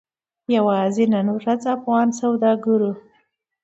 یوازې نن ورځ افغان سوداګرو